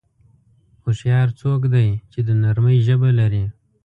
هوښیار څوک دی چې د نرمۍ ژبه لري.